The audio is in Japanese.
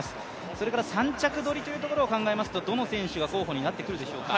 それから３着どりというところを考えますとどの選手が候補になってきますでしょうか？